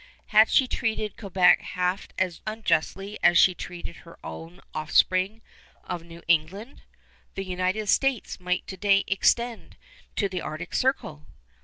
Had she treated Quebec half as unjustly as she treated her own offspring of New England, the United States might to day extend to the Arctic Circle.